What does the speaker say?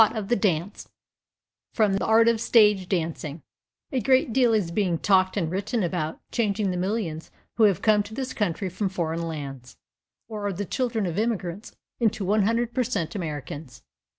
301 THE MELTING POT OF THE DANCE A GREAT deal is being talked and written about changing the millions who have come to this country from foreign lands, or are the children of immigrants, into 100 per cent Americans.